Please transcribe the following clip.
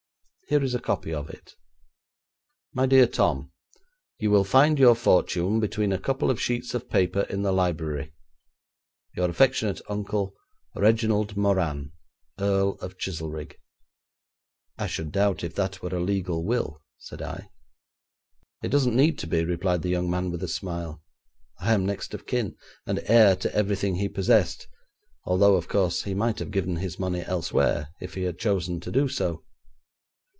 Here is a copy of it. '"MY DEAR TOM, You will find your fortune between a couple of sheets of paper in the library. '"Your affectionate uncle, '"REGINALD MORAN, EARL OF CHIZELRIGG."' 'I should doubt if that were a legal will,' said I. 'It doesn't need to be,' replied the young man with a smile. 'I am next of kin, and heir to everything he possessed, although, of course, he might have given his money elsewhere if he had chosen to do so.